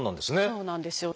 そうなんですよ。